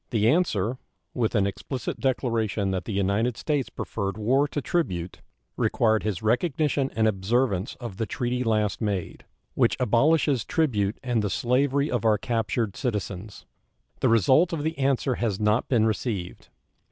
The answer, with an explicit declaration that the United States preferred war to tribute, required his recognition and observance of the treaty last made, which abolishes tribute and the slavery of our captured citizens. The result of the answer has not been received.